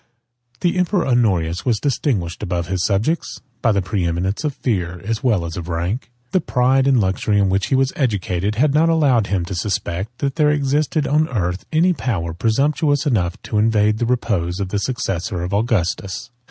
The emperor Honorius was distinguished, above his subjects, by the preeminence of fear, as well as of rank. The pride and luxury in which he was educated, had not allowed him to suspect, that there existed on the earth any power presumptuous enough to invade the repose of the successor of Augustus.